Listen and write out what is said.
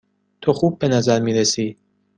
تو خوب به نظر می رسی.